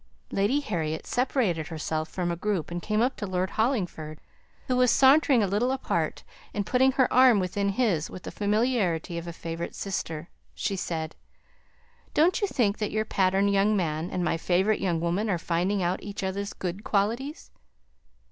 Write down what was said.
Lady Harriet separated herself from a group and came up to Lord Hollingford, who was sauntering a little apart, and putting her arm within his with the familiarity of a favourite sister, she said, "Don't you think that your pattern young man, and my favourite young woman, are finding out each other's good qualities?"